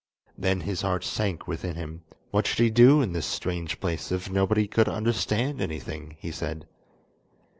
Then his heart sank within him; what should he do in this strange place if nobody could understand anything? he said.